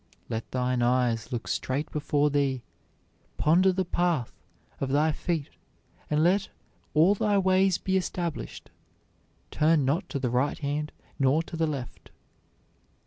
"Let thine eyes look straight before thee. Ponder the path of thy feet and let all thy ways be established. Turn not to the right hand nor to the left."